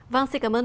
vâng xin cảm ơn